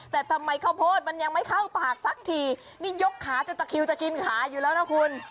แต่ทำไมข้าวโพดมันยังไม่เข้าปากสักทีนี่ยกขาจนตะคิวจะกินขาอยู่แล้วนะคุณ